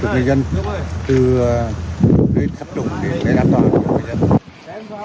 từ sắp đụng đến an toàn của người dân